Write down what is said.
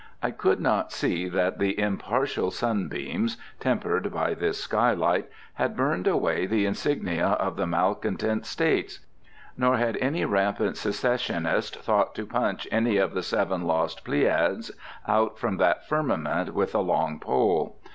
I could not see that the impartial sunbeams, tempered by this skylight, had burned away the insignia of the malecontent States. Nor had any rampant Secessionist thought to punch any of the seven lost Pleiads out from that firmament with a long pole.